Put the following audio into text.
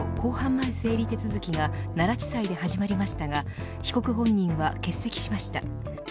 前整理手続きが奈良地裁で始まりましたが被告本人は欠席しました。